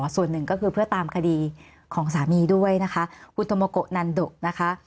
ส่วนหนึ่งก็คือเพื่อตามคดีของสามีด้วยนะคะคุณโตโมโกะนันดุนะคะ